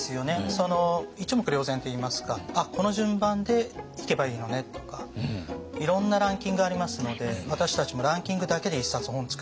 一目瞭然といいますか「あっこの順番で行けばいいのね」とかいろんなランキングありますので私たちもランキングだけで一冊本作ってたりもするぐらい。